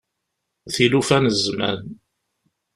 Tilufa n zzman.